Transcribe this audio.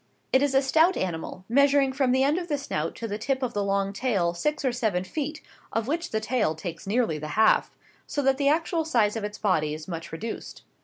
It is a stout animal, measuring from the end of the snout to the tip of the long tail six or seven feet, of which the tail takes nearly the half; so that the actual size of its body is much reduced.